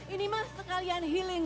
ini mah sekalian healing